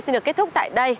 xin được kết thúc tại đây